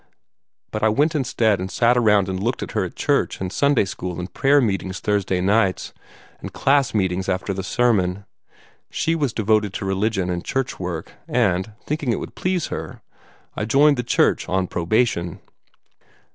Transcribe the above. But I went instead and sat around and looked at her at church and Sunday school and prayer meetings Thursday nights, and class meetings after the sermon. She was devoted to religion and church work; and, thinking it would please her, I joined the church on probation.